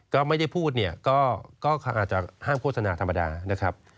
ก็ไม่ได้พูดเนี่ยก็อาจจะห้ามโฆษณาธรรมดานะครับ